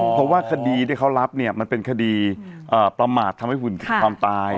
เพราะว่าคดีที่เขารับมันเป็นคดีประมาททำให้ผู้อื่นติดตามตาย